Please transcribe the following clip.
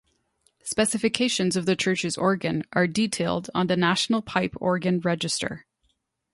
Specifications of the church's organ are detailed on the National Pipe Organ Register.